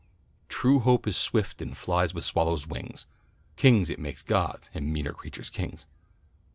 '_True hope is swift and flies with swallows' wings. Kings it makes gods, and meaner creatures kings.